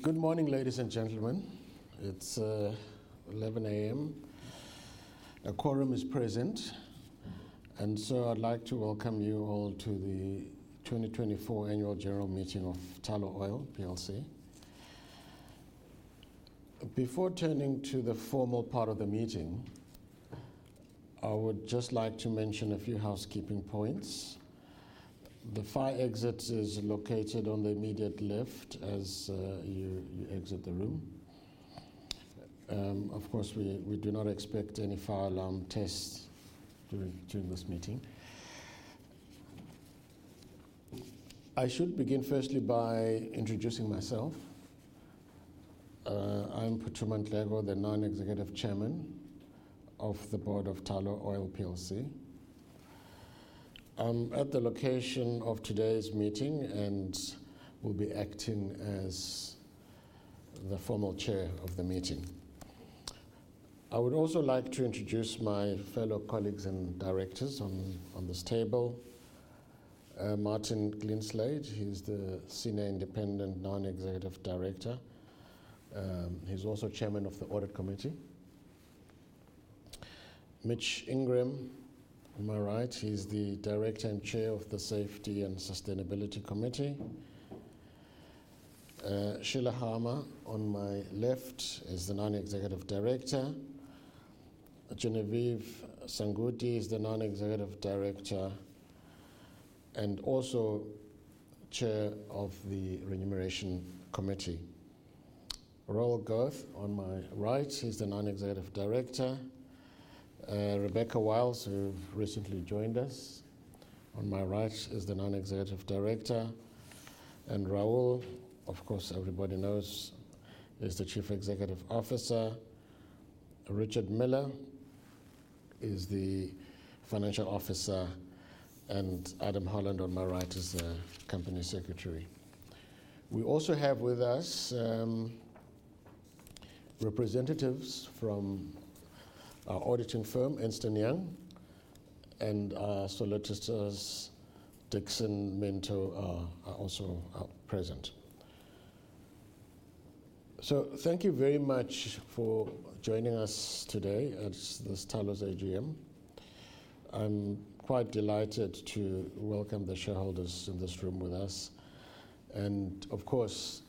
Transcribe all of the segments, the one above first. Good morning, ladies and gentlemen. It's 11 A.M. A quorum is present, and so I'd like to welcome you all to the 2024 annual general meeting of Tullow Oil plc. Before turning to the formal part of the meeting, I would just like to mention a few housekeeping points. The fire exit is located on the immediate left as you exit the room. Of course, we do not expect any fire alarm tests during this meeting. I should begin firstly by introducing myself. I'm Phuthuma Nhleko, the Non-executive Chairman of the Board of Tullow Oil plc. I'm at the location of today's meeting and will be acting as the formal chair of the meeting. I would also like to introduce my fellow colleagues and directors on this table. Martin Greenslade, he's the senior independent non-executive director. He's also chairman of the audit committee. Mitchell Ingram, on my right, he's the director and chair of the Safety and Sustainability Committee. Sheila Khama, on my left, is the non-executive director. Genevieve Sangudi is the non-executive director and also chair of the Remuneration Committee. Rahul Dhir on my right, he's the non-executive director. Rebecca Wiles, who recently joined us, on my right, is the non-executive director. And Rahul, of course, everybody knows, is the Chief Executive Officer. Richard Miller is the Chief Financial Officer, and Adam Holland, on my right, is the Company Secretary. We also have with us, representatives from our auditing firm, Ernst & Young, and our solicitors, Dickson Minto, are also present. So thank you very much for joining us today at this Tullow's AGM. I'm quite delighted to welcome the shareholders in this room with us and, of course,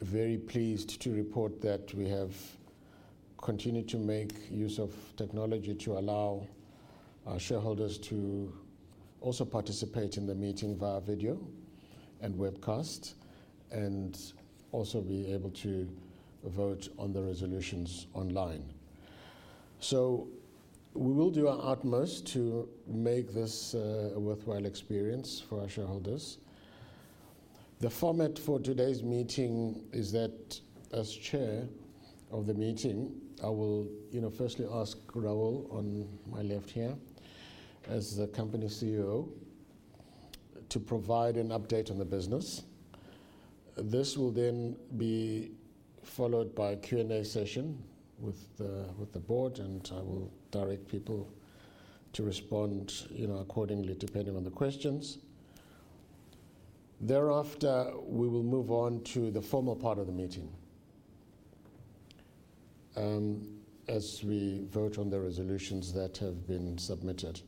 very pleased to report that we have continued to make use of technology to allow our shareholders to also participate in the meeting via video and webcast, and also be able to vote on the resolutions online. So we will do our utmost to make this a worthwhile experience for our shareholders. The format for today's meeting is that, as chair of the meeting, I will, you know, firstly ask Rahul, on my left here, as the company CEO, to provide an update on the business. This will then be followed by a Q&A session with the board, and I will direct people to respond, you know, accordingly, depending on the questions. Thereafter, we will move on to the formal part of the meeting, as we vote on the resolutions that have been submitted.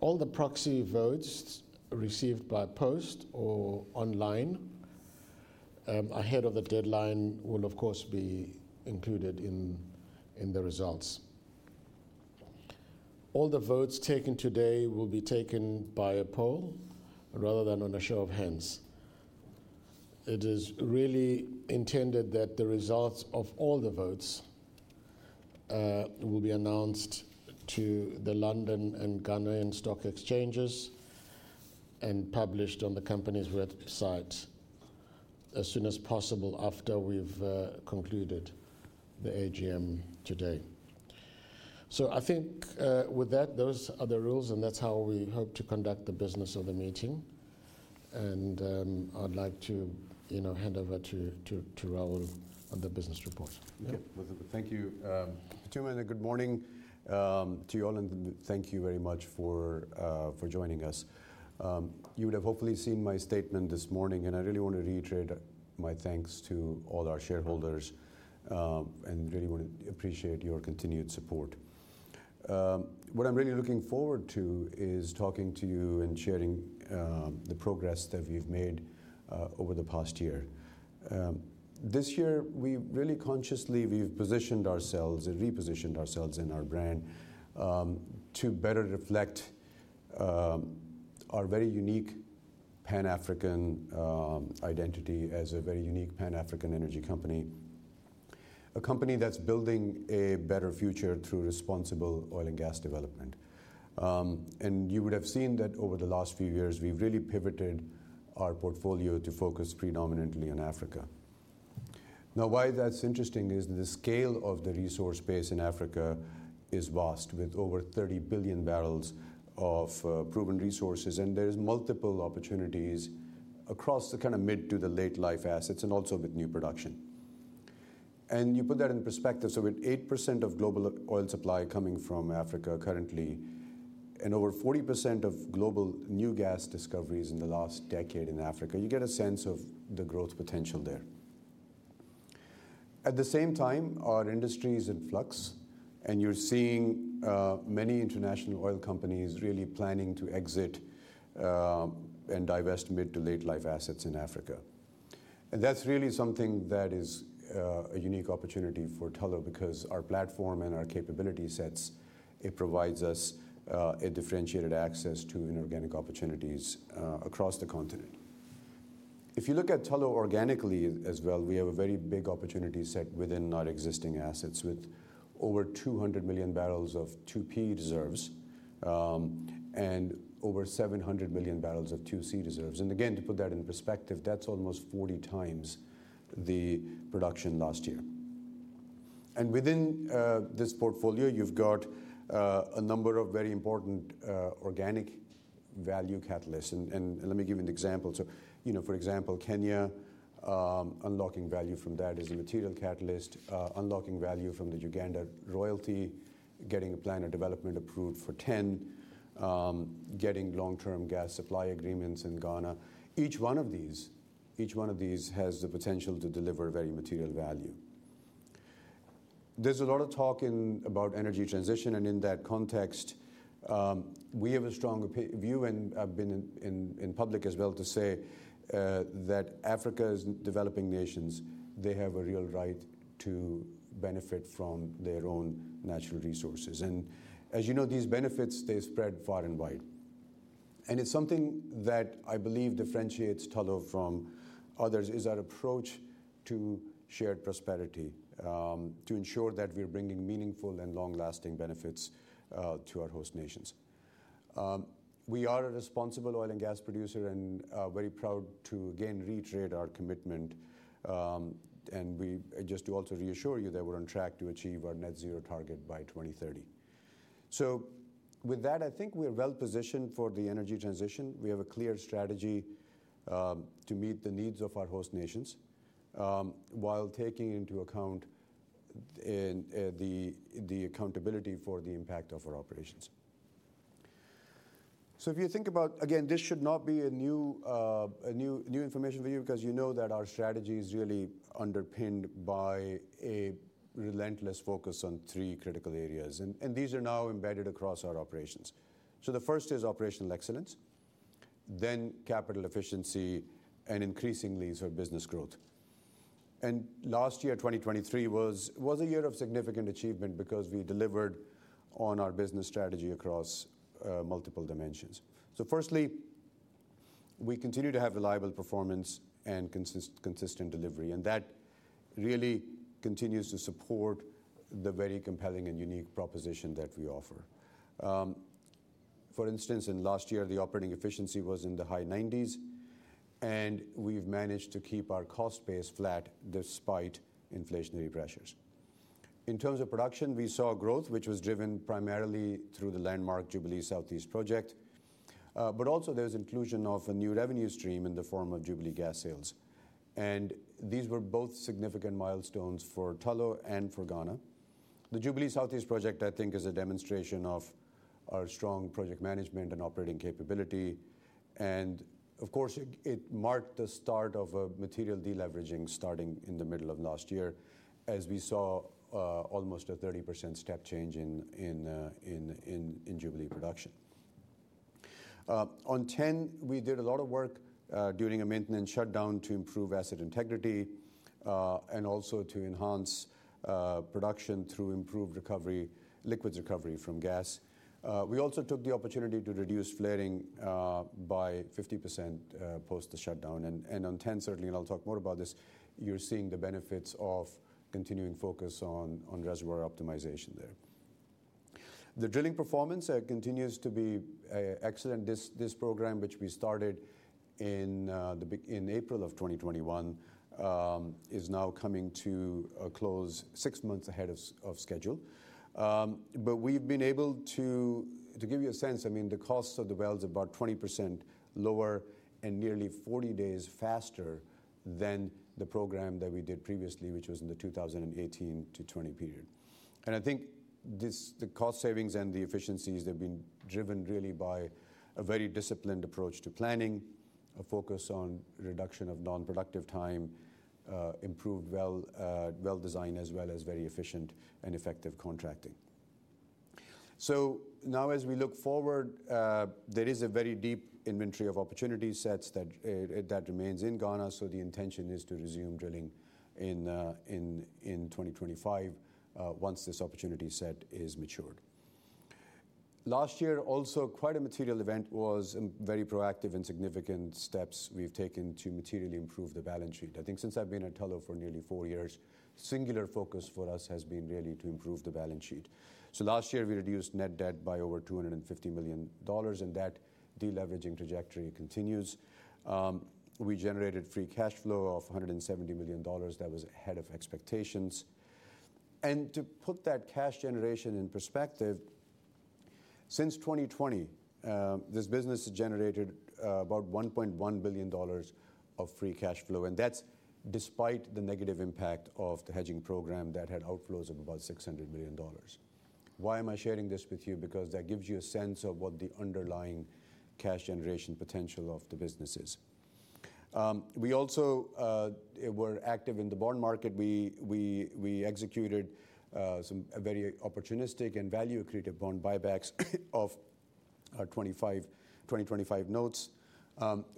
All the proxy votes received by post or online, ahead of the deadline will, of course, be included in, in the results. All the votes taken today will be taken by a poll rather than on a show of hands. It is really intended that the results of all the votes, will be announced to the London and Ghanaian stock exchanges and published on the company's website as soon as possible after we've concluded the AGM today. So I think, with that, those are the rules, and that's how we hope to conduct the business of the meeting. And I'd like to, you know, hand over to Rahul on the business report. Yeah, thank you. Phuthuma, good morning, to you all, and thank you very much for for joining us. You would have hopefully seen my statement this morning, and I really want to reiterate my thanks to all our shareholders, and really want to appreciate your continued support. What I'm really looking forward to is talking to you and sharing the progress that we've made over the past year. This year, we've really consciously, we've positioned ourselves and repositioned ourselves and our brand to better reflect our very unique Pan-African identity as a very unique Pan-African energy company. A company that's building a better future through responsible oil and gas development. You would have seen that over the last few years, we've really pivoted our portfolio to focus predominantly on Africa. Now, why that's interesting is the scale of the resource base in Africa is vast, with over 30 billion barrels of proven resources, and there's multiple opportunities across the kinda mid to the late-life assets and also with new production. And you put that in perspective. So with 8% of global oil supply coming from Africa currently, and over 40% of global new gas discoveries in the last decade in Africa, you get a sense of the growth potential there. At the same time, our industry is in flux, and you're seeing many international oil companies really planning to exit and divest mid-to-late life assets in Africa. And that's really something that is a unique opportunity for Tullow, because our platform and our capability sets, it provides us a differentiated access to inorganic opportunities across the continent. If you look at Tullow organically as well, we have a very big opportunity set within our existing assets, with over 200 million barrels of 2P reserves, and over 700 million barrels of 2C reserves. And again, to put that in perspective, that's almost 40 times the production last year. And within this portfolio, you've got a number of very important organic value catalysts. And let me give you an example. So, you know, for example, Kenya, unlocking value from that is a material catalyst. Unlocking value from the Uganda royalty, getting a plan of development approved for TEN, getting long-term gas supply agreements in Ghana. Each one of these, each one of these has the potential to deliver very material value. There's a lot of talk about energy transition, and in that context, we have a strong view, and I've been in public as well, to say, that Africa's developing nations, they have a real right to benefit from their own natural resources. And as you know, these benefits, they spread far and wide. And it's something that I believe differentiates Tullow from others, is our approach to shared prosperity, to ensure that we're bringing meaningful and long-lasting benefits to our host nations. We are a responsible oil and gas producer and very proud to again reiterate our commitment, and we just to also reassure you that we're on track to achieve our net zero target by 2030. So with that, I think we're well positioned for the energy transition. We have a clear strategy to meet the needs of our host nations while taking into account the accountability for the impact of our operations. So if you think about... Again, this should not be new information for you, because you know that our strategy is really underpinned by a relentless focus on three critical areas, and these are now embedded across our operations. So the first is operational excellence, then capital efficiency, and increasingly, so business growth. And last year, 2023, was a year of significant achievement because we delivered on our business strategy across multiple dimensions. So firstly, we continue to have reliable performance and consistent delivery, and that really continues to support the very compelling and unique proposition that we offer. For instance, in last year, the operating efficiency was in the high 90s, and we've managed to keep our cost base flat despite inflationary pressures. In terms of production, we saw growth, which was driven primarily through the landmark Jubilee Southeast project. But also there was inclusion of a new revenue stream in the form of Jubilee gas sales, and these were both significant milestones for Tullow and for Ghana. The Jubilee Southeast project, I think, is a demonstration of our strong project management and operating capability. And of course, it marked the start of a material deleveraging starting in the middle of last year, as we saw almost a 30% step change in Jubilee production. On Ten, we did a lot of work during a maintenance shutdown to improve asset integrity and also to enhance production through improved recovery, liquids recovery from gas. We also took the opportunity to reduce flaring by 50% post the shutdown. And on Ten, certainly, and I'll talk more about this, you're seeing the benefits of continuing focus on reservoir optimization there. The drilling performance continues to be excellent. This program, which we started in April 2021, is now coming to a close, six months ahead of schedule. But we've been able to... To give you a sense, I mean, the costs of the well is about 20% lower and nearly 40 days faster than the program that we did previously, which was in the 2018-2020 period. And I think this, the cost savings and the efficiencies, they've been driven really by a very disciplined approach to planning, a focus on reduction of non-productive time, improved well design, as well as very efficient and effective contracting. So now, as we look forward, there is a very deep inventory of opportunity sets that remains in Ghana, so the intention is to resume drilling in 2025, once this opportunity set is matured. Last year, also, quite a material event was very proactive and significant steps we've taken to materially improve the balance sheet. I think since I've been at Tullow for nearly four years, singular focus for us has been really to improve the balance sheet. So last year, we reduced net debt by over $250 million, and that deleveraging trajectory continues. We generated free cash flow of $170 million. That was ahead of expectations. And to put that cash generation in perspective. Since 2020, this business has generated about $1.1 billion of free cash flow, and that's despite the negative impact of the hedging program that had outflows of about $600 million. Why am I sharing this with you? Because that gives you a sense of what the underlying cash generation potential of the business is. We also were active in the bond market. We executed some very opportunistic and value-accretive bond buybacks of our 2025 notes.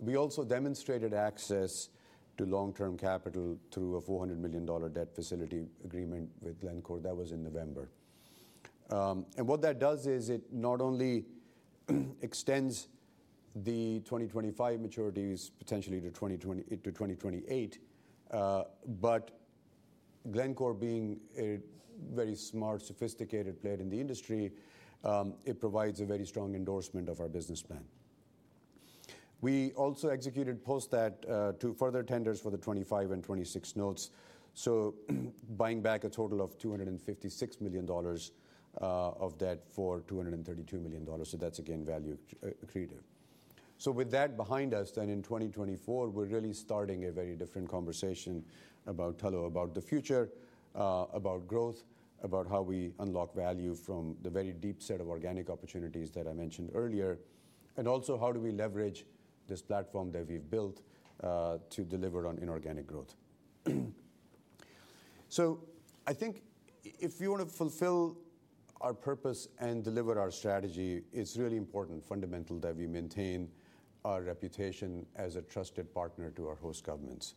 We also demonstrated access to long-term capital through a $400 million debt facility agreement with Glencore. That was in November. And what that does is, it not only extends the 2025 maturities potentially to 2028, but Glencore, being a very smart, sophisticated player in the industry, it provides a very strong endorsement of our business plan. We also executed post that two further tenders for the 2025 and 2026 notes, so buying back a total of $256 million of debt for $232 million, so that's again value-accretive. So with that behind us, then in 2024, we're really starting a very different conversation about Tullow, about the future, about growth, about how we unlock value from the very deep set of organic opportunities that I mentioned earlier, and also how do we leverage this platform that we've built, to deliver on inorganic growth? So I think if we want to fulfill our purpose and deliver our strategy, it's really important, fundamental, that we maintain our reputation as a trusted partner to our host governments.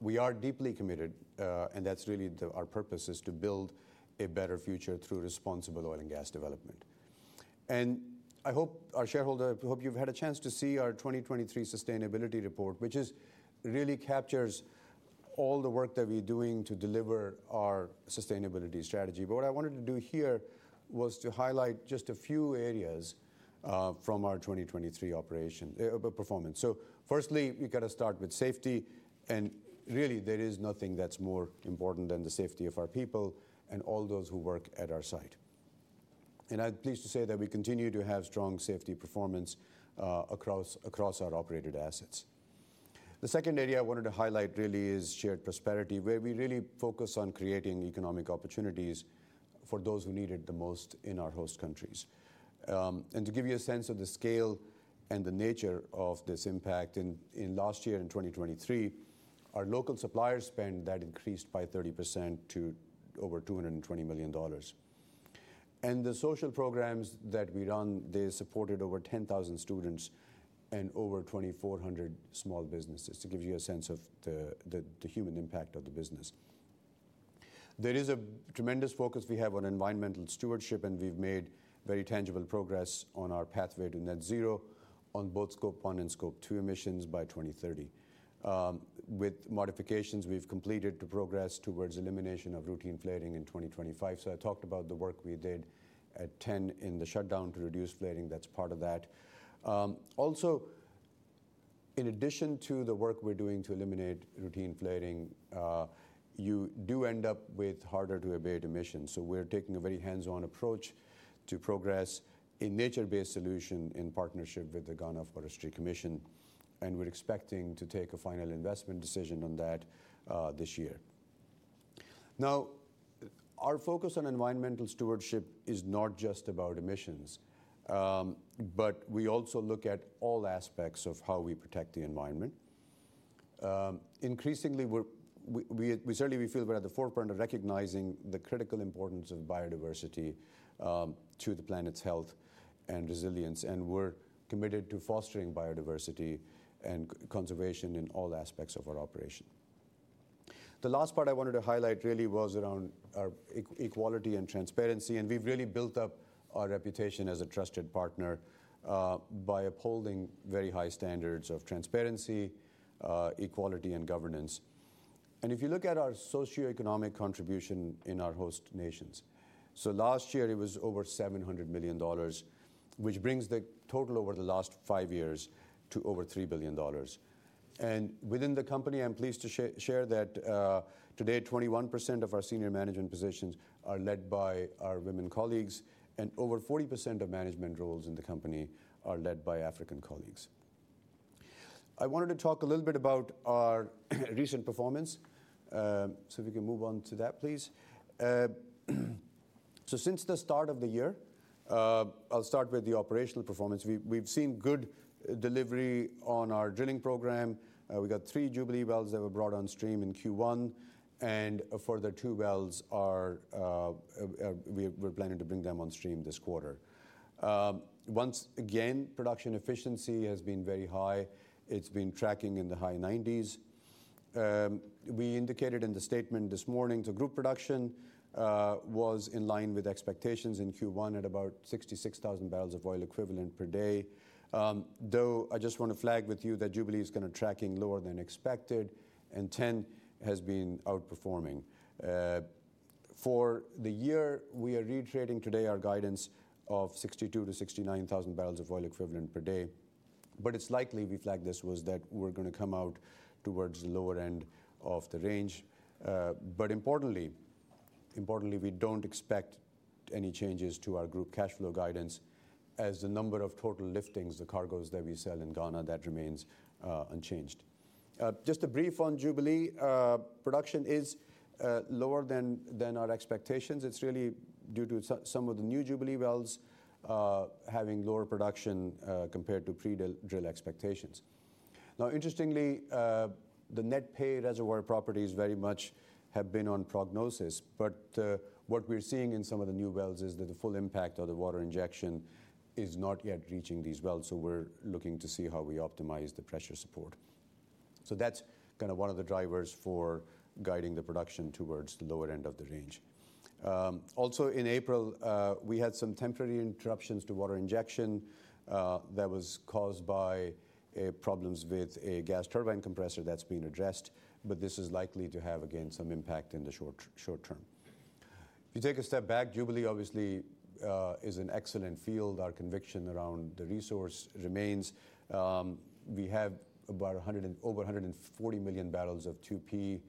We are deeply committed, and that's really the... Our purpose is to build a better future through responsible oil and gas development. And I hope our shareholder, I hope you've had a chance to see our 2023 sustainability report, which is, really captures all the work that we're doing to deliver our sustainability strategy. But what I wanted to do here was to highlight just a few areas from our 2023 operation performance. So firstly, you've got to start with safety, and really, there is nothing that's more important than the safety of our people and all those who work at our site. And I'm pleased to say that we continue to have strong safety performance across our operated assets. The second area I wanted to highlight really is shared prosperity, where we really focus on creating economic opportunities for those who need it the most in our host countries. To give you a sense of the scale and the nature of this impact, in last year, in 2023, our local supplier spend that increased by 30% to over $220 million. And the social programs that we run, they supported over 10,000 students and over 2,400 small businesses, to give you a sense of the human impact of the business. There is a tremendous focus we have on environmental stewardship, and we've made very tangible progress on our pathway to net zero on both Scope 1 and Scope 2 emissions by 2030. With modifications, we've completed the progress towards elimination of routine flaring in 2025. So I talked about the work we did at Ten in the shutdown to reduce flaring, that's part of that. Also, in addition to the work we're doing to eliminate routine flaring, you do end up with harder to abate emissions, so we're taking a very hands-on approach to progress a nature-based solution in partnership with the Ghana Forestry Commission, and we're expecting to take a final investment decision on that, this year. Now, our focus on environmental stewardship is not just about emissions, but we also look at all aspects of how we protect the environment. Increasingly, we certainly feel we're at the forefront of recognizing the critical importance of biodiversity, to the planet's health and resilience, and we're committed to fostering biodiversity and conservation in all aspects of our operation. The last part I wanted to highlight really was around our equality and transparency, and we've really built up our reputation as a trusted partner, by upholding very high standards of transparency, equality, and governance. And if you look at our socioeconomic contribution in our host nations, so last year it was over $700 million, which brings the total over the last five years to over $3 billion. And within the company, I'm pleased to share that, today, 21% of our senior management positions are led by our women colleagues, and over 40% of management roles in the company are led by African colleagues. I wanted to talk a little bit about our recent performance. So if we can move on to that, please. So since the start of the year, I'll start with the operational performance. We've seen good delivery on our drilling program. We got three Jubilee wells that were brought on stream in Q1, and a further two wells are, we're planning to bring them on stream this quarter. Once again, production efficiency has been very high. It's been tracking in the high 90s. We indicated in the statement this morning, the group production was in line with expectations in Q1 at about 66,000 barrels of oil equivalent per day. Though, I just want to flag with you that Jubilee is kind of tracking lower than expected, and TEN has been outperforming. For the year, we are reiterating today our guidance of 62,000-69,000 barrels of oil equivalent per day, but it's likely we flagged this, was that we're gonna come out towards the lower end of the range. But importantly, importantly, we don't expect any changes to our group cash flow guidance, as the number of total liftings, the cargoes that we sell in Ghana, that remains unchanged. Just a brief on Jubilee. Production is lower than our expectations. It's really due to some of the new Jubilee wells having lower production compared to pre-drill expectations. Now, interestingly, the net pay reservoir properties very much have been on prognosis, but what we're seeing in some of the new wells is that the full impact of the water injection is not yet reaching these wells, so we're looking to see how we optimize the pressure support. So that's kind of one of the drivers for guiding the production towards the lower end of the range. Also in April, we had some temporary interruptions to water injection that was caused by problems with a gas turbine compressor that's been addressed, but this is likely to have, again, some impact in the short term. If you take a step back, Jubilee obviously is an excellent field. Our conviction around the resource remains. We have about over 140 million barrels of 2P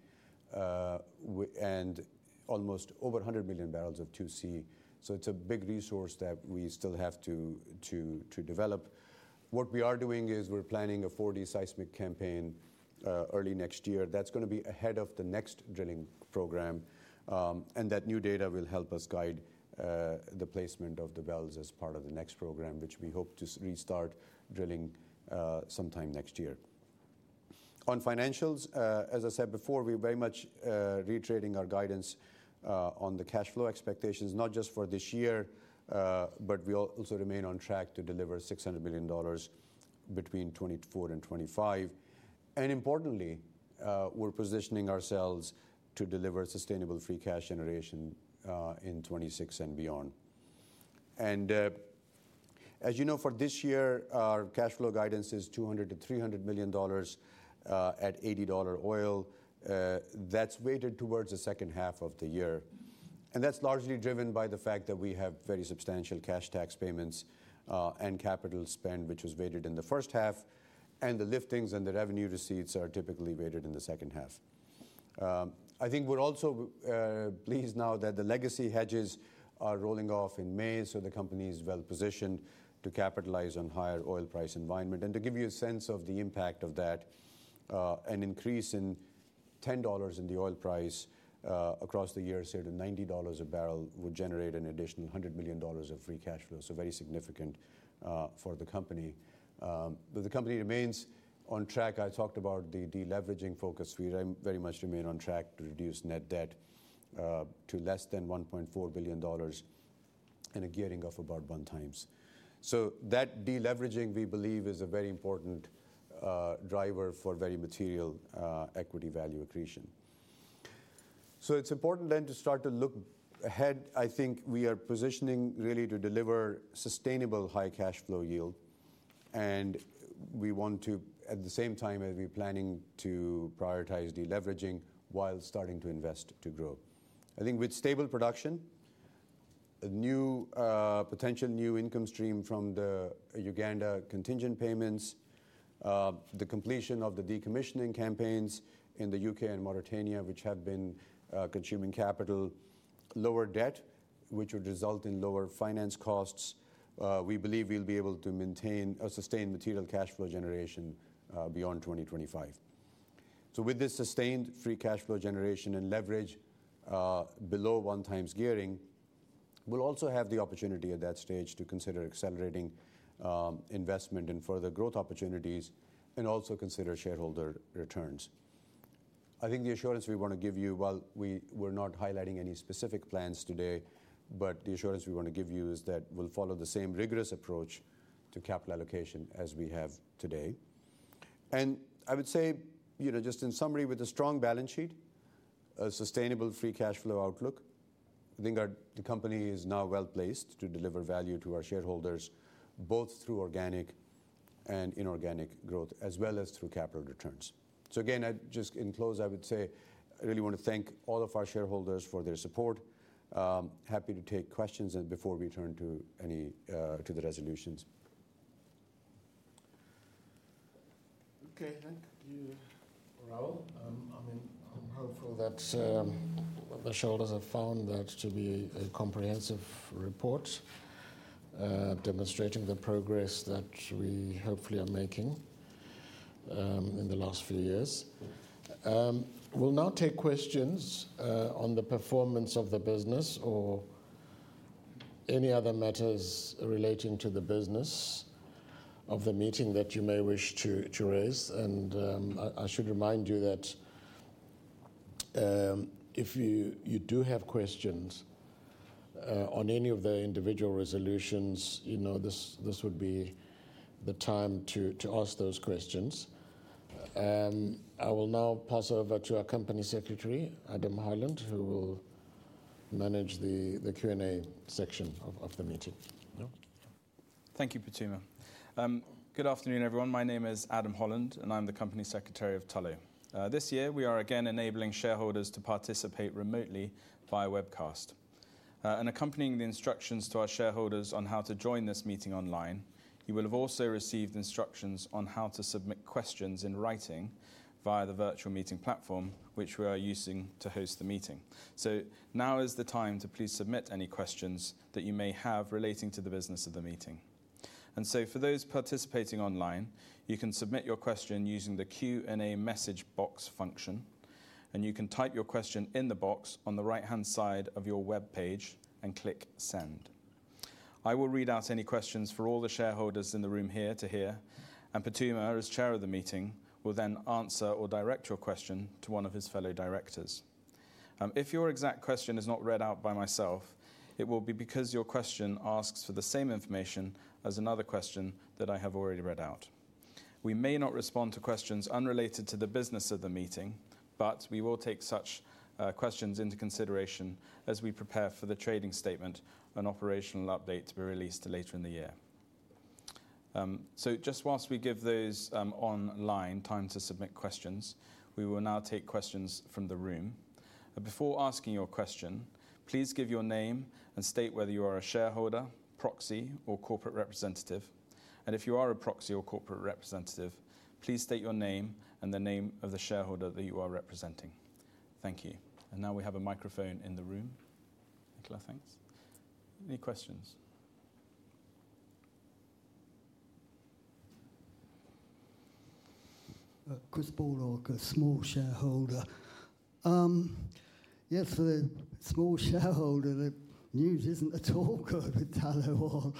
and almost over 100 million barrels of 2C, so it's a big resource that we still have to develop. What we are doing is, we're planning a 4D seismic campaign early next year. That's gonna be ahead of the next drilling program. And that new data will help us guide the placement of the wells as part of the next program, which we hope to restart drilling sometime next year. On financials, as I said before, we're very much reiterating our guidance on the cash flow expectations, not just for this year, but we also remain on track to deliver $600 million between 2024 and 2025. And importantly, we're positioning ourselves to deliver sustainable free cash generation in 2026 and beyond. And, as you know, for this year, our cash flow guidance is $200 million-$300 million at $80 oil. That's weighted towards the second half of the year, and that's largely driven by the fact that we have very substantial cash tax payments and capital spend, which is weighted in the first half, and the liftings and the revenue receipts are typically weighted in the second half. I think we're also pleased now that the legacy hedges are rolling off in May, so the company is well positioned to capitalize on higher oil price environment. And to give you a sense of the impact of that, an increase in $10 in the oil price, across the year, say to $90 a barrel, would generate an additional $100 million of free cash flow, so very significant for the company. But the company remains on track. I talked about the de-leveraging focus. We're very much remain on track to reduce net debt to less than $1.4 billion and a gearing of about 1x. So that de-leveraging, we believe, is a very important driver for very material equity value accretion. So it's important then to start to look ahead. I think we are positioning really to deliver sustainable high cash flow yield, and we want to, at the same time, as we're planning to prioritize de-leveraging while starting to invest to grow. I think with stable production, a new potential new income stream from the Uganda contingent payments, the completion of the decommissioning campaigns in the UK and Mauritania, which have been consuming capital, lower debt, which would result in lower finance costs, we believe we'll be able to maintain a sustained material cash flow generation beyond 2025. So with this sustained free cash flow generation and leverage below one times gearing, we'll also have the opportunity at that stage to consider accelerating investment and further growth opportunities, and also consider shareholder returns. I think the assurance we want to give you, while we're not highlighting any specific plans today, but the assurance we want to give you is that we'll follow the same rigorous approach to capital allocation as we have today. And I would say, you know, just in summary, with a strong balance sheet, a sustainable free cash flow outlook, I think the company is now well-placed to deliver value to our shareholders, both through organic and inorganic growth, as well as through capital returns. So again, just in close, I would say I really want to thank all of our shareholders for their support. Happy to take questions and before we turn to any, to the resolutions. Okay. Thank you, Rahul. I mean, I'm hopeful that the shareholders have found that to be a comprehensive report, demonstrating the progress that we hopefully are making in the last few years. We'll now take questions on the performance of the business or any other matters relating to the business of the meeting that you may wish to raise. I should remind you that if you do have questions on any of the individual resolutions, you know, this would be the time to ask those questions. I will now pass over to our Company Secretary, Adam Holland, who will manage the Q&A section of the meeting. Adam? Thank you, Phuthuma. Good afternoon, everyone. My name is Adam Holland, and I'm the Company Secretary of Tullow. This year, we are again enabling shareholders to participate remotely via webcast. And accompanying the instructions to our shareholders on how to join this meeting online, you will have also received instructions on how to submit questions in writing via the virtual meeting platform, which we are using to host the meeting. So now is the time to please submit any questions that you may have relating to the business of the meeting. And so for those participating online, you can submit your question using the Q&A message box function, and you can type your question in the box on the right-hand side of your web page and click Send. I will read out any questions for all the shareholders in the room here to hear, and Phuthuma, as Chair of the meeting, will then answer or direct your question to one of his fellow directors. If your exact question is not read out by myself, it will be because your question asks for the same information as another question that I have already read out. We may not respond to questions unrelated to the business of the meeting, but we will take such questions into consideration as we prepare for the trading statement and operational update to be released later in the year. So just whilst we give those online time to submit questions, we will now take questions from the room. Before asking your question, please give your name and state whether you are a shareholder, proxy or corporate representative. If you are a proxy or corporate representative, please state your name and the name of the shareholder that you are representing. Thank you. Now we have a microphone in the room. Nicola, thanks. Any questions? Chris Baldock, a small shareholder. Yes, for the small shareholder, the news isn't at all good at all.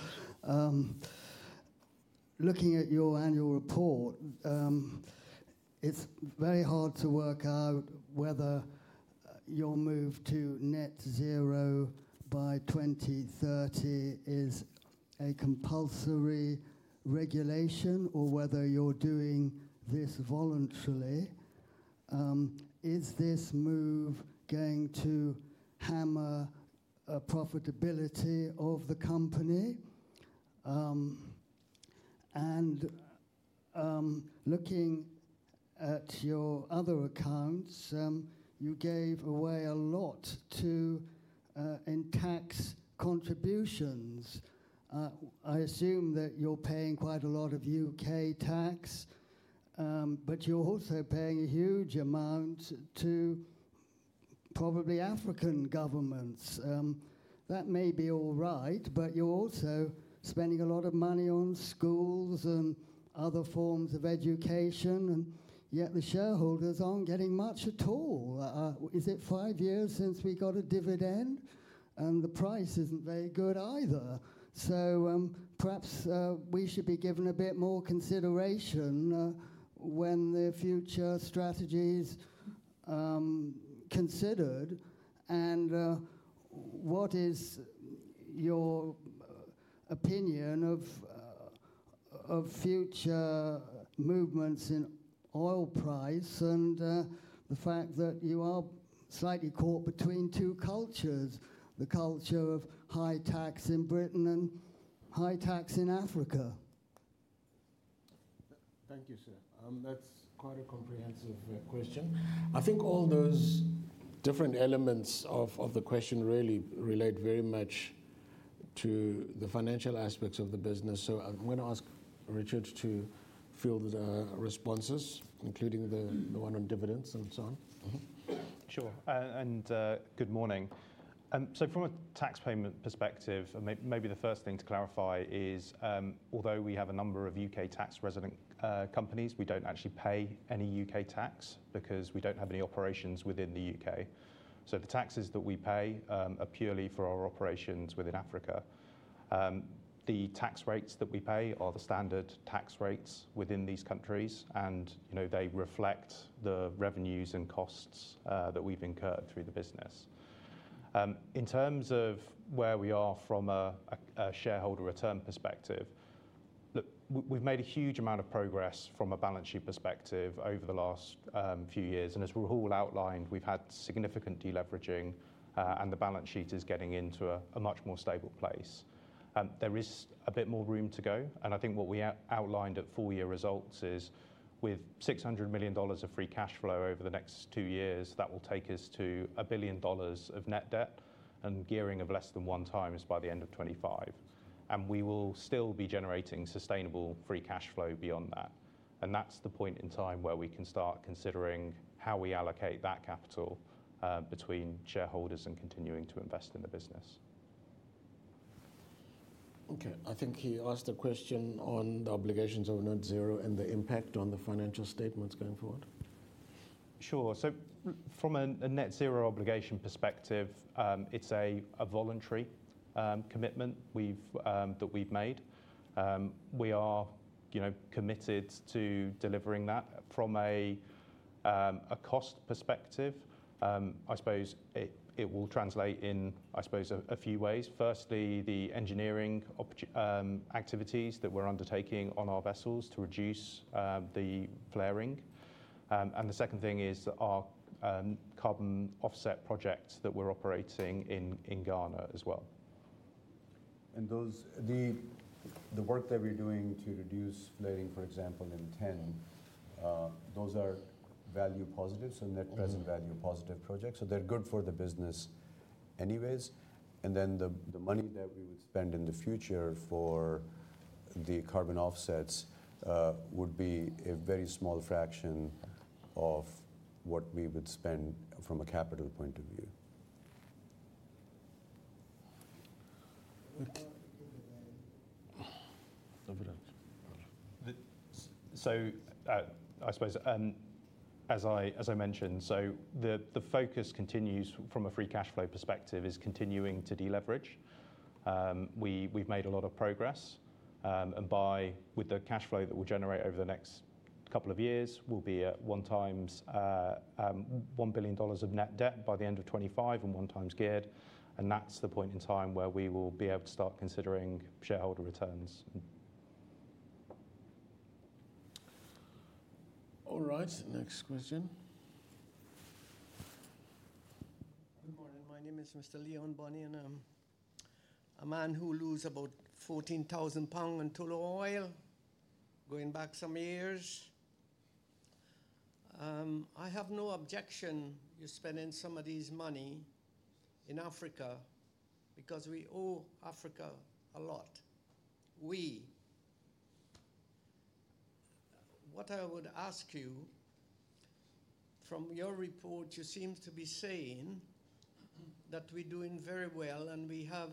Looking at your annual report, it's very hard to work out whether your move to net zero by 2030 is a compulsory regulation or whether you're doing this voluntarily. Is this move going to hammer profitability of the company? And, looking at your other accounts, you gave away a lot to in tax contributions. I assume that you're paying quite a lot of U.K. tax, but you're also paying a huge amount to probably African governments. That may be all right, but you're also spending a lot of money on schools and other forms of education, and yet the shareholders aren't getting much at all. Is it 5 years since we got a dividend? The price isn't very good either. Perhaps we should be given a bit more consideration when the future strategies considered. What is your opinion of future movements in oil price and the fact that you are slightly caught between two cultures, the culture of high tax in Britain and high tax in Africa? Thank you, sir. That's quite a comprehensive question. I think all those different elements of the question really relate very much to the financial aspects of the business. So I'm going to ask Richard to field the responses, including the one on dividends and so on. Mm-hmm. Sure. Good morning. From a tax payment perspective, maybe the first thing to clarify is, although we have a number of U.K. tax resident companies, we don't actually pay any U.K. tax because we don't have any operations within the U.K. The taxes that we pay are purely for our operations within Africa. The tax rates that we pay are the standard tax rates within these countries, and, you know, they reflect the revenues and costs that we've incurred through the business. In terms of where we are from a shareholder return perspective, look, we've made a huge amount of progress from a balance sheet perspective over the last few years, and as Rahul outlined, we've had significant deleveraging, and the balance sheet is getting into a much more stable place. There is a bit more room to go, and I think what we outlined at full year results is with $600 million of free cash flow over the next two years, that will take us to $1 billion of net debt and gearing of less than 1x by the end of 2025. And we will still be generating sustainable free cash flow beyond that. And that's the point in time where we can start considering how we allocate that capital between shareholders and continuing to invest in the business. Okay, I think he asked a question on the obligations of net zero and the impact on the financial statements going forward. Sure. So from a Net zero obligation perspective, it's a voluntary commitment that we've made. We are, you know, committed to delivering that. From a cost perspective, I suppose it will translate in, I suppose, a few ways. Firstly, the engineering activities that we're undertaking on our vessels to reduce the flaring. And the second thing is our carbon offset projects that we're operating in Ghana as well.... and those, the work that we're doing to reduce flaring, for example, in TEN, those are value positives and net present- Mm-hmm. -value positive projects, so they're good for the business anyways. And then the money that we would spend in the future for the carbon offsets would be a very small fraction of what we would spend from a capital point of view. So, I suppose, as I mentioned, so the focus continues from a free cash flow perspective, is continuing to deleverage. We’ve made a lot of progress, and with the cash flow that we’ll generate over the next couple of years, we’ll be at 1x $1 billion of net debt by the end of 2025 and 1x geared, and that’s the point in time where we will be able to start considering shareholder returns. All right, next question. Good morning. My name is Mr. Leon Bunny, and I'm a man who lose about 14,000 pounds in Tullow Oil, going back some years. I have no objection you spending some of this money in Africa, because we owe Africa a lot. What I would ask you, from your report, you seem to be saying that we're doing very well, and we have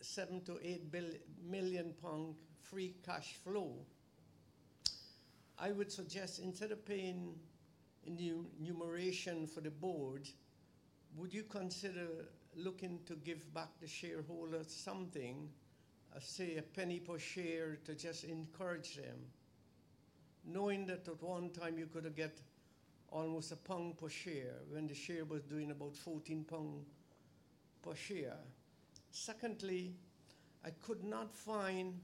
7-8 billion GBP free cash flow. I would suggest, instead of paying remuneration for the board, would you consider looking to give back the shareholders something, say, a penny per share, to just encourage them? Knowing that at one time you could have get almost a pound per share when the share was doing about 14 pounds per share. Secondly, I could not find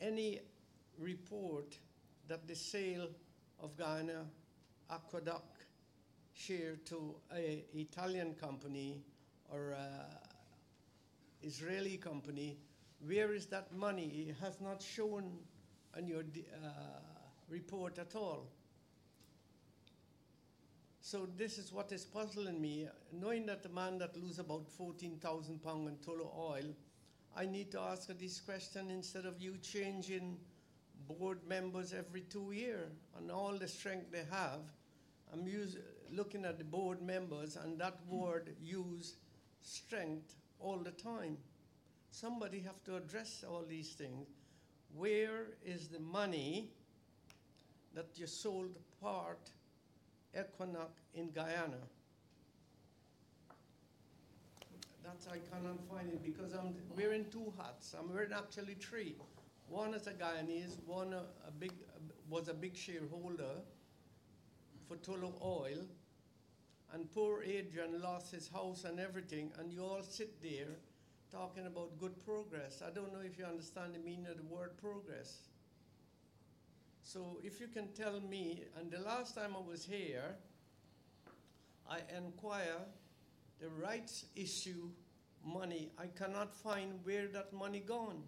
any report that the sale of Guyana Orinduik share to an Italian company or an Israeli company. Where is that money? It has not shown on your report at all. So this is what is puzzling me. Knowing that a man that lose about 14,000 pounds in Tullow Oil, I need to ask this question instead of you changing board members every two years, and all the strength they have. I'm using looking at the board members, and that board use strength all the time. Somebody have to address all these things. Where is the money that you sold part Orinduik in Guyana? That's I cannot find it, because I'm wearing two hats. I'm wearing actually three. One as a Guyanese, one a big was a big shareholder for Tullow Oil, and poor Adrian lost his house and everything, and you all sit there talking about good progress. I don't know if you understand the meaning of the word progress. So if you can tell me... And the last time I was here, I inquire the rights issue money. I cannot find where that money gone.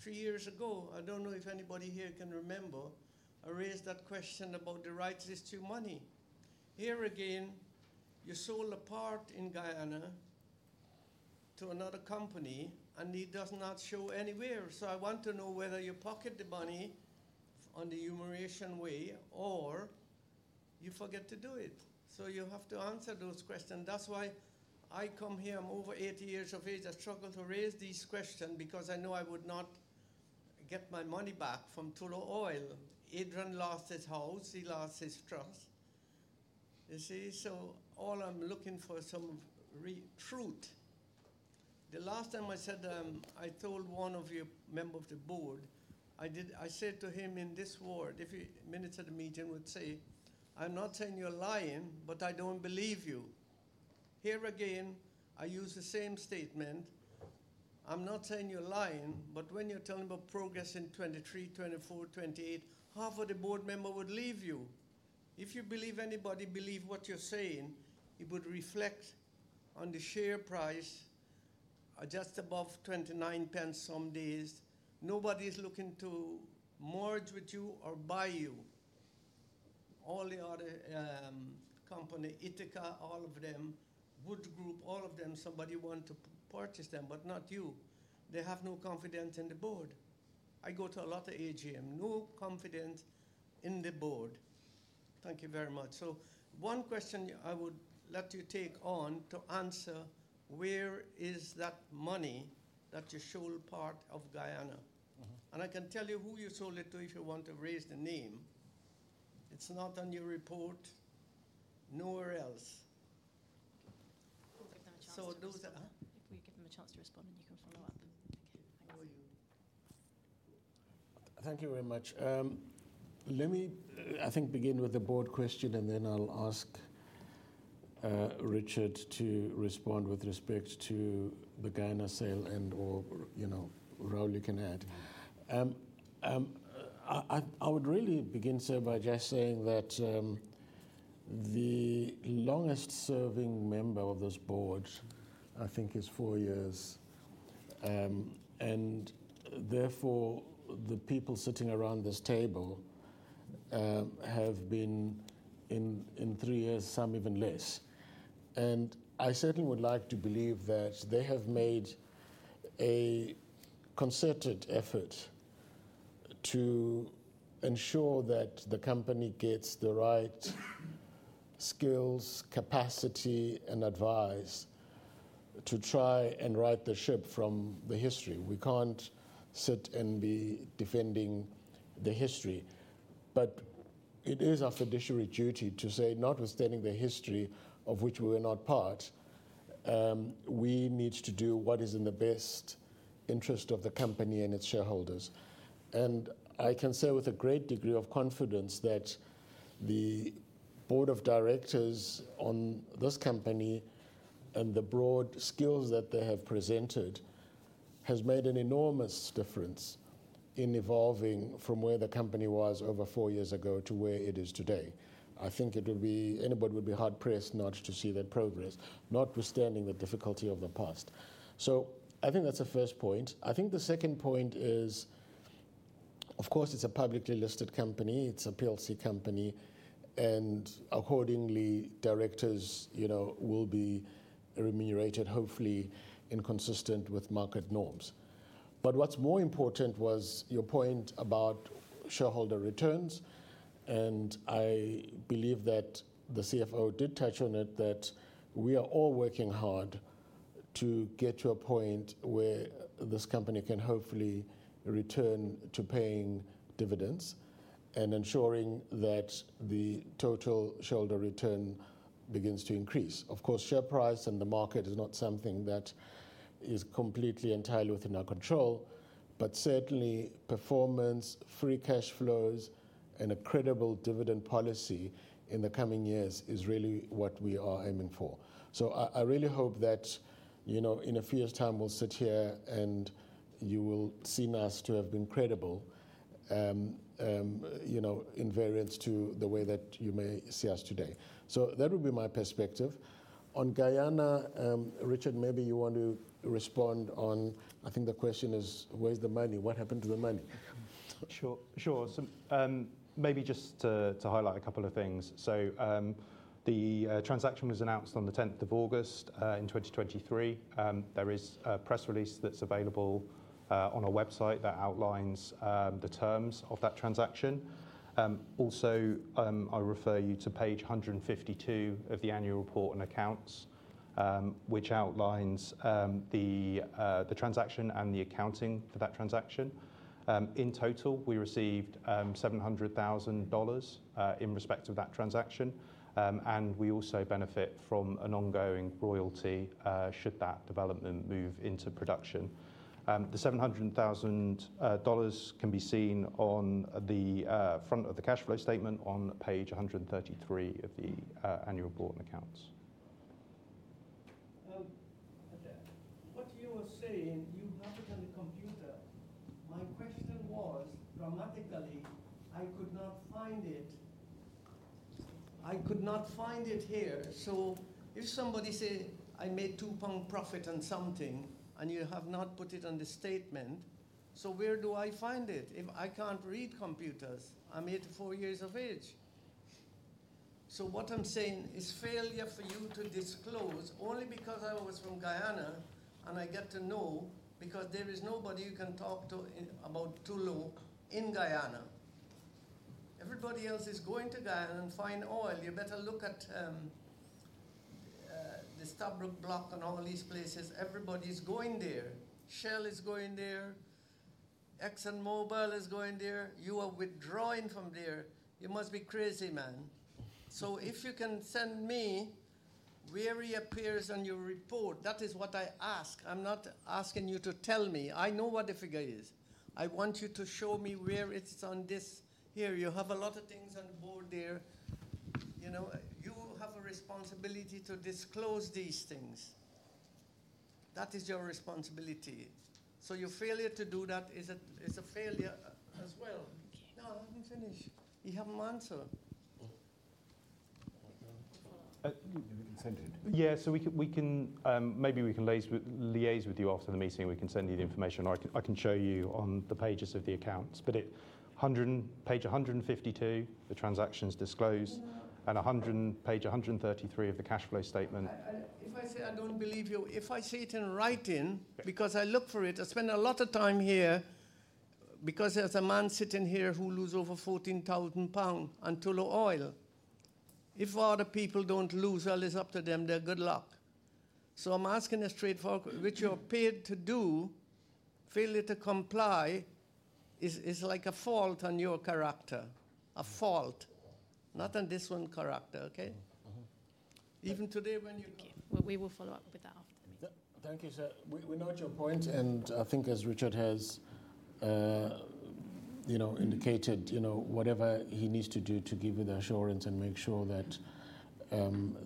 Three years ago, I don't know if anybody here can remember, I raised that question about the rights issue money. Here again, you sold a part in Guyana to another company, and it does not show anywhere. So I want to know whether you pocket the money on the remuneration way or you forget to do it. So you have to answer those questions. That's why I come here. I'm over eighty years of age. I struggle to raise these questions because I know I would not get my money back from Tullow Oil. Adrian lost his house, he lost his trust. You see? So all I'm looking for is some truth. The last time I said, I told one of your member of the board, I said to him, in this world, if the minutes at the meeting would say, "I'm not saying you're lying, but I don't believe you." Here again, I use the same statement: I'm not saying you're lying, but when you're telling about progress in 2023, 2024, 2028, half of the board member would leave you. If you believe anybody believe what you're saying, it would reflect on the share price, just above 29 pence some days. Nobody is looking to merge with you or buy you. All the other company, Ithaca, all of them, Wood Group, all of them, somebody want to purchase them, but not you. They have no confidence in the board. I go to a lot of AGM, no confidence in the board. Thank you very much. So one question I would let you take on to answer: where is that money that you sold part of Guyana? Mm-hmm. I can tell you who you sold it to, if you want to raise the name. It's not on your report, nowhere else. We'll give them a chance to- So those are- If we give them a chance to respond, then you can follow up. Okay, thanks. Thank you very much. Let me, I think, begin with the board question, and then I'll ask, Richard to respond with respect to the Guyana sale and/or, you know, Rahul, you can add. I would really begin, sir, by just saying that... The longest serving member of this board, I think, is four years. And therefore, the people sitting around this table have been in three years, some even less. And I certainly would like to believe that they have made a concerted effort to ensure that the company gets the right skills, capacity, and advice to try and right the ship from the history. We can't sit and be defending the history, but it is our fiduciary duty to say, notwithstanding the history of which we were not part, we need to do what is in the best interest of the company and its shareholders. I can say with a great degree of confidence that the board of directors on this company and the broad skills that they have presented has made an enormous difference in evolving from where the company was over four years ago to where it is today. I think it would be, anybody would be hard-pressed not to see that progress, notwithstanding the difficulty of the past. So I think that's the first point. I think the second point is, of course, it's a publicly listed company, it's a PLC company, and accordingly, directors, you know, will be remunerated, hopefully in consistent with market norms. But what's more important was your point about shareholder returns, and I believe that the CFO did touch on it, that we are all working hard to get to a point where this company can hopefully return to paying dividends and ensuring that the total shareholder return begins to increase. Of course, share price and the market is not something that is completely entirely within our control, but certainly performance, free cash flows, and a credible dividend policy in the coming years is really what we are aiming for. So I, I really hope that, you know, in a few years' time, we'll sit here, and you will see us to have been credible, you know, in variance to the way that you may see us today. So that would be my perspective. On Guyana, Richard, maybe you want to respond on... I think the question is: Where's the money? What happened to the money? Sure, sure. So, maybe just to highlight a couple of things. So, the transaction was announced on the 10th of August in 2023. There is a press release that's available on our website that outlines the terms of that transaction. Also, I refer you to page 152 of the annual report and accounts, which outlines the transaction and the accounting for that transaction. In total, we received $700,000 in respect of that transaction. And we also benefit from an ongoing royalty should that development move into production. The $700,000 can be seen on the front of the cash flow statement on page 133 of the annual report and accounts. Okay. What you are saying, you have it on the computer. My question was, dramatically, I could not find it. I could not find it here. So if somebody say, "I made 2 pound profit on something," and you have not put it on the statement, so where do I find it? If I can't read computers, I'm 84 years of age. So what I'm saying is failure for you to disclose, only because I was from Guyana, and I get to know because there is nobody you can talk to in about Tullow in Guyana. Everybody else is going to Guyana and find oil. You better look at the Stabroek Block and all these places. Everybody's going there. Shell is going there. ExxonMobil is going there. You are withdrawing from there. You must be crazy, man. So if you can send me where it appears on your report, that is what I ask. I'm not asking you to tell me. I know what the figure is. I want you to show me where it's on this. Here, you have a lot of things on the board there. You know, you have a responsibility to disclose these things. That is your responsibility. So your failure to do that is a failure as well. Okay. No, let me finish. You haven't answered. Uh- We can send it. Yeah, so we can, we can, maybe we can liaise with, liaise with you after the meeting, and we can send you the information, or I can, I can show you on the pages of the accounts. But it, page 152, the transaction's disclosed- No. - and 100, page 133 of the cash flow statement. If I say I don't believe you, if I see it in writing- Yeah. because I look for it. I spend a lot of time here because there's a man sitting here who lose over 14,000 pounds on Tullow Oil. If other people don't lose, well, it's up to them, their good luck. So I'm asking a straightforward, which you're paid to do. Failure to comply is like a fault on your character. A fault, not on this one character, okay? Mm-hmm. Even today, when you- Okay. We will follow up with that after the meeting. Thank you, sir. We note your point, and I think as Richard has, you know, indicated, you know, whatever he needs to do to give you the assurance and make sure that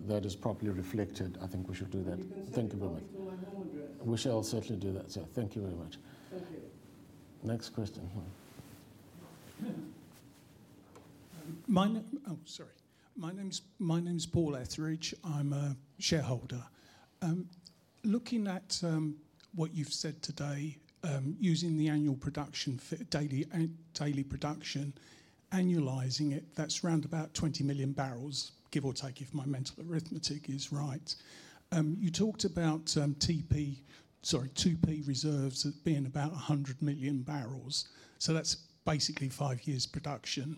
that is properly reflected, I think we should do that. You can send it to my home address. We shall certainly do that, sir. Thank you very much. Thank you. Next question, hmm.... My name's Paul Etheridge. I'm a shareholder. Looking at what you've said today, using the daily production, annualizing it, that's about 20 million barrels, give or take, if my mental arithmetic is right. You talked about 2P reserves as being about 100 million barrels, so that's basically 5 years' production.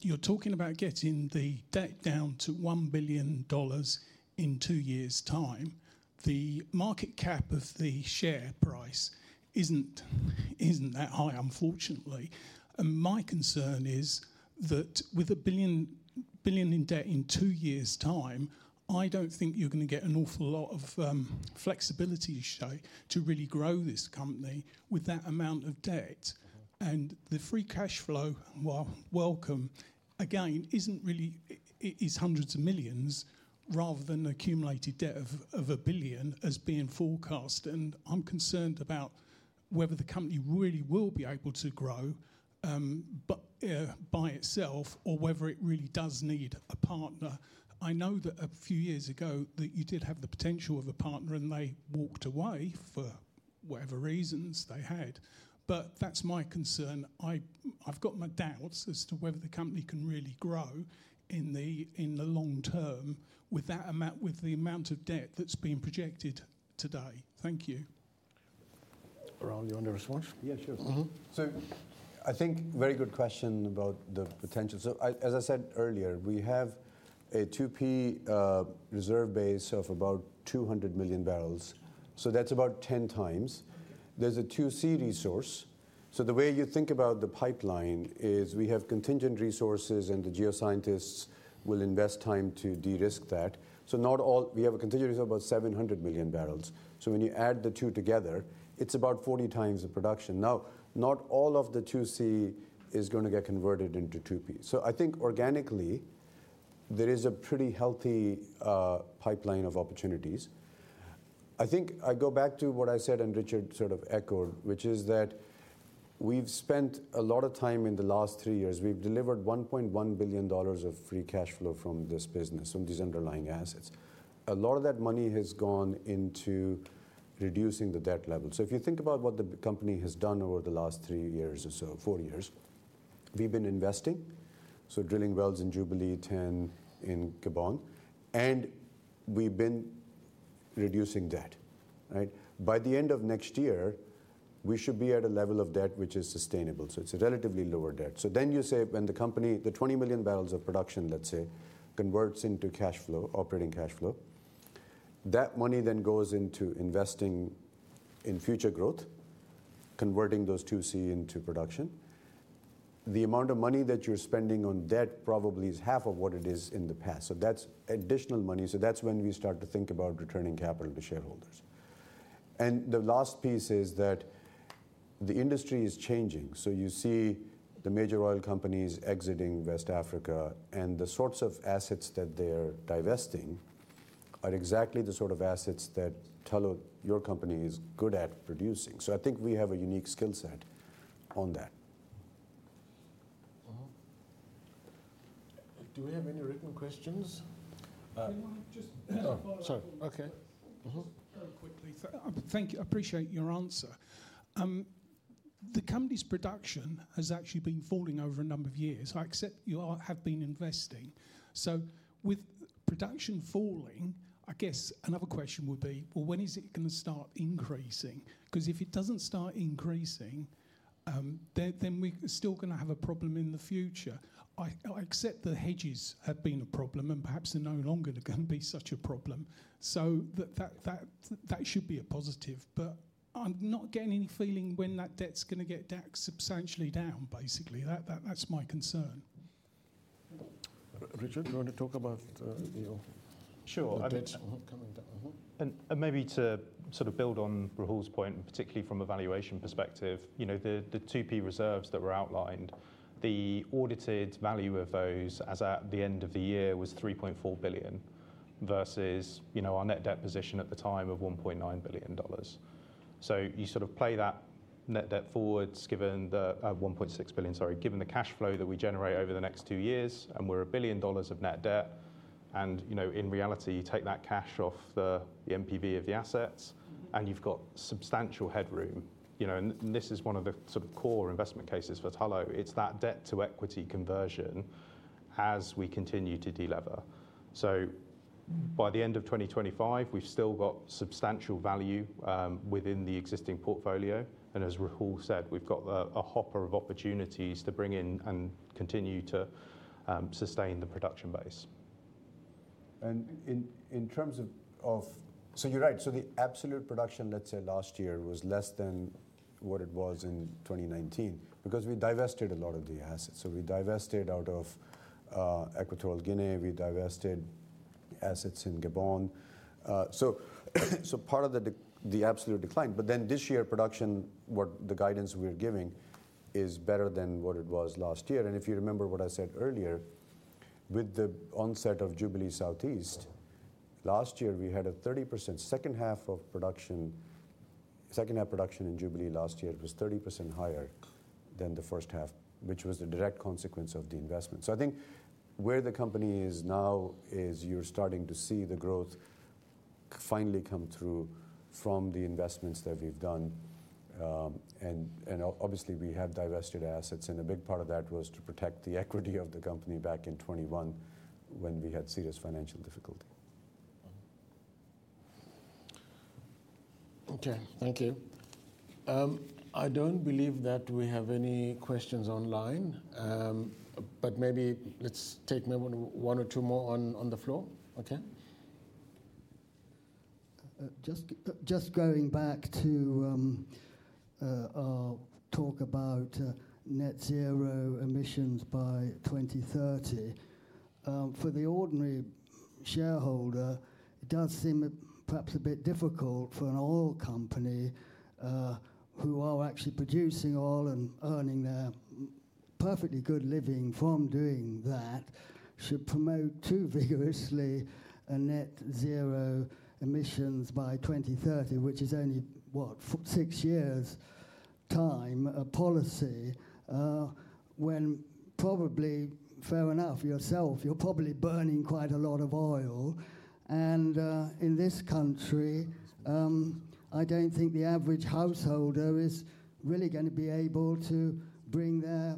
You're talking about getting the debt down to $1 billion in two years' time. The market cap of the share price isn't that high, unfortunately. And my concern is that with $1 billion in debt in two years' time, I don't think you're gonna get an awful lot of flexibility, per se, to really grow this company with that amount of debt. The free cash flow, while welcome, again, isn't really is $hundreds of millions rather than accumulated debt of $1 billion as being forecast. I'm concerned about whether the company really will be able to grow, but by itself, or whether it really does need a partner. I know that a few years ago, that you did have the potential of a partner, and they walked away for whatever reasons they had. But that's my concern. I've got my doubts as to whether the company can really grow in the long term with that amount, with the amount of debt that's been projected today. Thank you. Rahul, you want to respond? Yeah, sure. Uh-huh. So I think very good question about the potential. So I—as I said earlier, we have a 2P reserve base of about 200 million barrels, so that's about 10 times. There's a 2C resource. So the way you think about the pipeline is we have contingent resources, and the geoscientists will invest time to de-risk that. So not all... We have a contingent of about 700 million barrels. So when you add the two together, it's about 40 times the production. Now, not all of the 2C is gonna get converted into 2P. So I think organically, there is a pretty healthy pipeline of opportunities. I think I go back to what I said, and Richard sort of echoed, which is that we've spent a lot of time in the last 3 years. We've delivered $1.1 billion of free cash flow from this business, from these underlying assets. A lot of that money has gone into reducing the debt level. So if you think about what the company has done over the last three years or so, four years, we've been investing, so drilling wells in Jubilee, TEN in Gabon, and we've been reducing debt, right? By the end of next year, we should be at a level of debt which is sustainable, so it's a relatively lower debt. So then you say when the company, the 20 million barrels of production, let's say, converts into cash flow, operating cash flow, that money then goes into investing in future growth, converting those 2C into production. The amount of money that you're spending on debt probably is half of what it is in the past, so that's additional money. That's when we start to think about returning capital to shareholders. The last piece is that the industry is changing. You see the major oil companies exiting West Africa, and the sorts of assets that they're divesting are exactly the sort of assets that Tullow, your company, is good at producing. I think we have a unique skill set on that. Uh-huh. Do we have any written questions? Can I just- Oh, sorry. Okay. Uh-huh. Very quickly. Thank you. I appreciate your answer. The company's production has actually been falling over a number of years. I accept you are, have been investing. So with production falling, I guess another question would be: well, when is it gonna start increasing? 'Cause if it doesn't start increasing, then we're still gonna have a problem in the future. I accept the hedges have been a problem, and perhaps they're no longer gonna be such a problem, so that should be a positive. But I'm not getting any feeling when that debt's gonna get paid substantially down, basically. That's my concern. Richard, you want to talk about Sure, I mean- Uh-huh, coming down. Uh-huh. And maybe to sort of build on Rahul's point, and particularly from a valuation perspective, you know, the 2P reserves that were outlined, the audited value of those as at the end of the year was $3.4 billion versus, you know, our net debt position at the time of $1.9 billion. So you sort of play that net debt forwards given the $1.6 billion, sorry, given the cash flow that we generate over the next two years, and we're $1 billion of net debt. And, you know, in reality, you take that cash off the NPV of the assets, and you've got substantial headroom. You know, this is one of the sort of core investment cases for Tullow. It's that debt-to-equity conversion as we continue to de-lever. By the end of 2025, we've still got substantial value within the existing portfolio, and as Rahul said, we've got a hopper of opportunities to bring in and continue to sustain the production base. In terms of... So you're right. So the absolute production, let's say, last year, was less than what it was in 2019 because we divested a lot of the assets. So we divested out of Equatorial Guinea, we divested assets in Gabon. So part of the absolute decline. But then this year, production, what the guidance we're giving is better than what it was last year. And if you remember what I said earlier, with the onset of Jubilee Southeast. Last year, we had a 30% second half of production, second half production in Jubilee last year was 30% higher than the first half, which was a direct consequence of the investment. So I think where the company is now is you're starting to see the growth finally come through from the investments that we've done. And obviously, we have divested assets, and a big part of that was to protect the equity of the company back in 2021 when we had serious financial difficulty. Okay, thank you. I don't believe that we have any questions online, but maybe let's take one or two more on the floor. Okay. Just going back to our talk about net zero emissions by 2030. For the ordinary shareholder, it does seem perhaps a bit difficult for an oil company who are actually producing oil and earning their perfectly good living from doing that should promote too vigorously a net zero emissions by 2030, which is only, what? six years' time, a policy when probably fair enough yourself, you're probably burning quite a lot of oil. In this country, I don't think the average householder is really gonna be able to bring their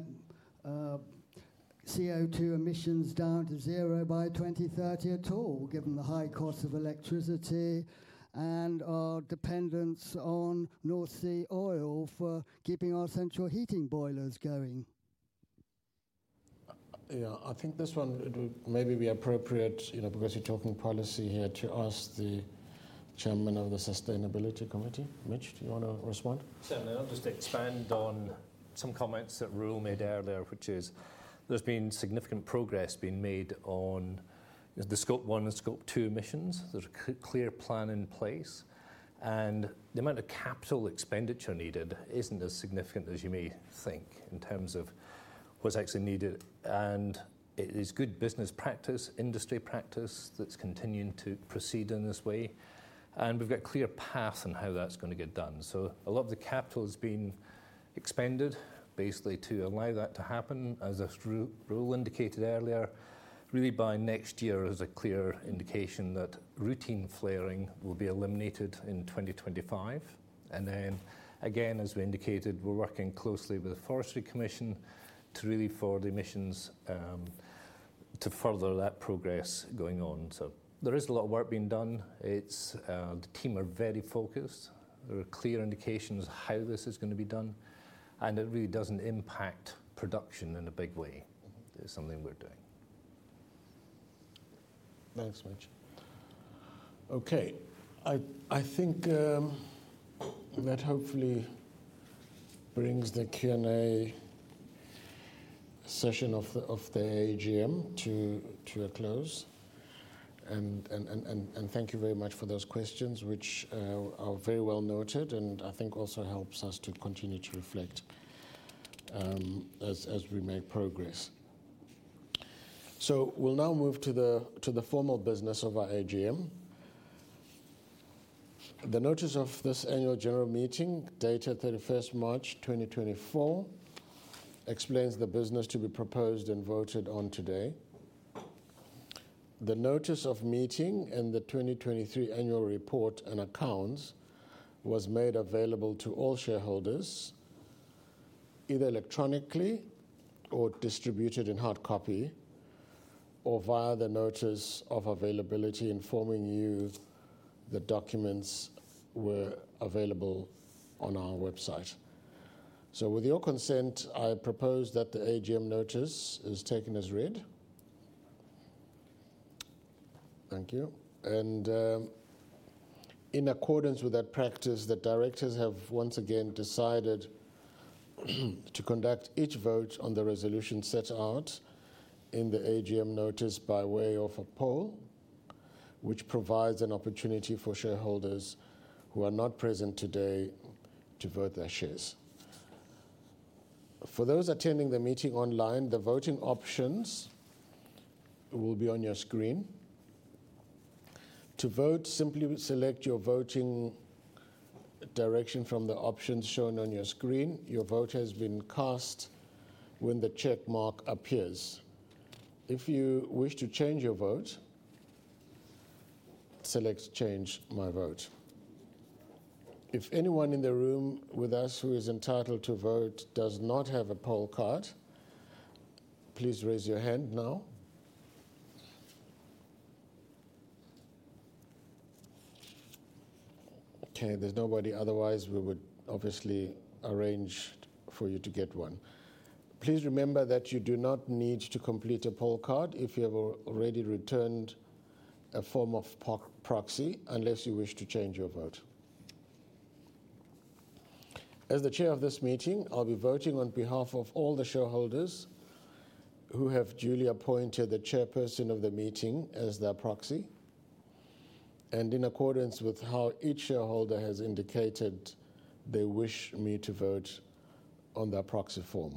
CO2 emissions down to zero by 2030 at all, given the high cost of electricity and our dependence on North Sea oil for keeping our central heating boilers going. Yeah, I think this one it would maybe be appropriate, you know, because you're talking policy here, to ask the Chairman of the Sustainability Committee. Mitch, do you want to respond? Certainly. I'll just expand on some comments that Rahul made earlier, which is there's been significant progress being made on the Scope 1 and Scope 2 emissions. There's a clear plan in place, and the amount of capital expenditure needed isn't as significant as you may think in terms of what's actually needed. And it is good business practice, industry practice, that's continuing to proceed in this way, and we've got a clear path on how that's going to get done. So a lot of the capital has been expended basically to allow that to happen, as Rahul indicated earlier, really by next year, there's a clear indication that routine flaring will be eliminated in 2025. And then again, as we indicated, we're working closely with the Forestry Commission to really forward the emissions, to further that progress going on. So there is a lot of work being done. It's, the team are very focused. There are clear indications of how this is going to be done, and it really doesn't impact production in a big way. It's something we're doing. Thanks, Mitch. Okay. I think that hopefully brings the Q&A session of the AGM to a close. And thank you very much for those questions, which are very well noted and I think also helps us to continue to reflect as we make progress. So we'll now move to the formal business of our AGM. The notice of this annual general meeting, dated thirty-first March twenty twenty-four, explains the business to be proposed and voted on today. The notice of meeting and the twenty twenty-three annual report and accounts was made available to all shareholders, either electronically or distributed in hard copy or via the notice of availability, informing you the documents were available on our website. So with your consent, I propose that the AGM notice is taken as read. Thank you. In accordance with that practice, the directors have once again decided to conduct each vote on the resolution set out in the AGM notice by way of a poll, which provides an opportunity for shareholders who are not present today to vote their shares. For those attending the meeting online, the voting options will be on your screen. To vote, simply select your voting direction from the options shown on your screen. Your vote has been cast when the check mark appears. If you wish to change your vote, select Change my Vote. If anyone in the room with us who is entitled to vote does not have a poll card, please raise your hand now. Okay, there's nobody. Otherwise, we would obviously arrange for you to get one. Please remember that you do not need to complete a poll card if you have already returned a form of proxy, unless you wish to change your vote. As the chair of this meeting, I'll be voting on behalf of all the shareholders who have duly appointed the chairperson of the meeting as their proxy, and in accordance with how each shareholder has indicated they wish me to vote on their proxy form.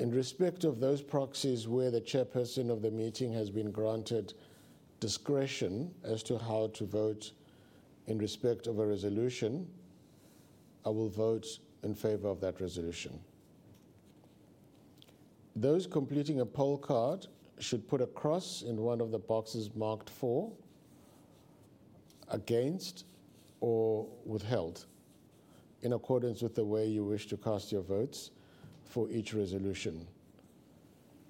In respect of those proxies, where the chairperson of the meeting has been granted discretion as to how to vote in respect of a resolution, I will vote in favor of that resolution. Those completing a poll card should put a cross in one of the boxes marked for, against, or withheld, in accordance with the way you wish to cast your votes for each resolution.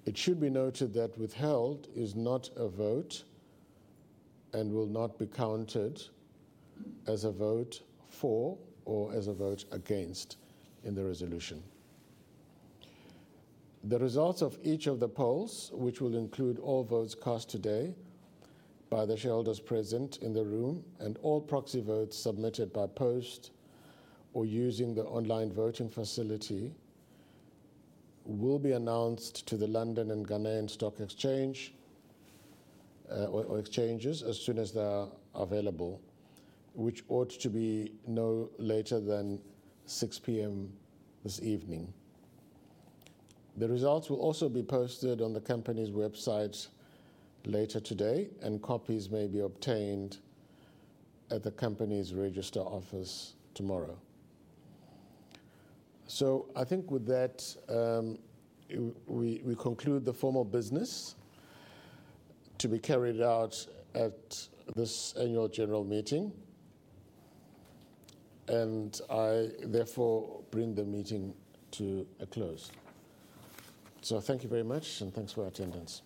It should be noted that withheld is not a vote and will not be counted as a vote for or as a vote against in the resolution. The results of each of the polls, which will include all votes cast today by the shareholders present in the room and all proxy votes submitted by post or using the online voting facility, will be announced to the London and Ghanaian Stock Exchanges as soon as they are available, which ought to be no later than 6:00 P.M. this evening. The results will also be posted on the company's website later today, and copies may be obtained at the company's registered office tomorrow. So I think with that, we conclude the formal business to be carried out at this annual general meeting, and I therefore bring the meeting to a close. Thank you very much, and thanks for your attendance.